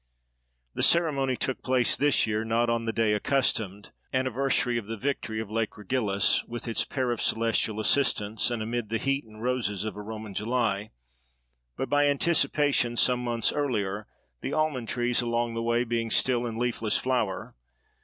The ceremony took place this year, not on the day accustomed—anniversary of the victory of Lake Regillus, with its pair of celestial assistants—and amid the heat and roses of a Roman July, but, by anticipation, some months earlier, the almond trees along the way being still in leafless flower.